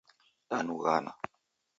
Danughana